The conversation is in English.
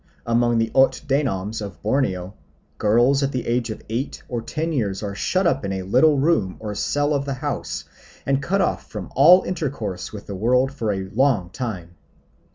Among the Ot Danoms of Borneo girls at the age of eight or ten years are shut up in a little room or cell of the house, and cut off from all intercourse with the world for a long time.